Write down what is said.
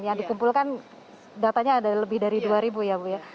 yang dikumpulkan datanya ada lebih dari dua ribu ya bu ya